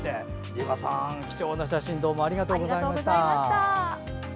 りかさん、貴重な写真どうもありがとうございました。